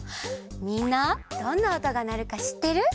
みんなどんなおとがなるかしってる？